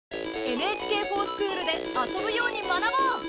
「ＮＨＫｆｏｒＳｃｈｏｏｌ」で遊ぶように学ぼう！